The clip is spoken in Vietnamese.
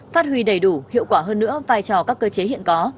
phát huy đầy đủ hiệu quả hơn nữa vai trò các cơ chế hiện có